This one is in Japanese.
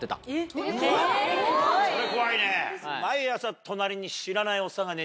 それ怖いね。